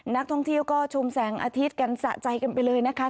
นักท่องเที่ยวก็ชมแสงอาทิตย์กันสะใจกันไปเลยนะคะ